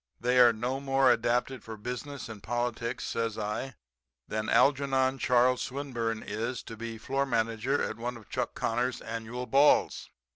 They are no more adapted for business and politics,' says I, 'than Algernon Charles Swinburne is to be floor manager at one of Chuck Connor's annual balls.